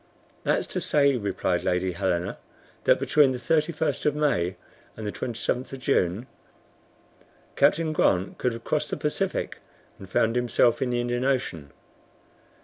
"That's to say," replied Lady Helena, "that between the 31st of May and the 27th of June " "Captain Grant could have crossed the Pacific and found himself in the Indian Ocean."